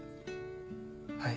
はい。